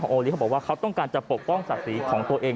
ของโอลิฟต์จะบอกว่าเขาต้องการปกป้องศาสีของตัวเอง